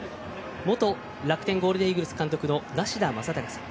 元楽天ゴールデンイーグルス監督の梨田昌孝さん。